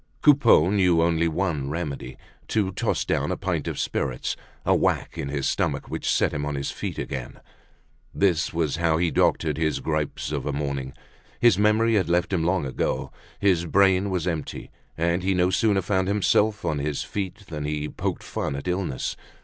Coupeau knew only one remedy, to toss down a pint of spirits; a whack in his stomach, which set him on his feet again. This was how he doctored his gripes of a morning. His memory had left him long ago, his brain was empty; and he no sooner found himself on his feet than he poked fun at illness.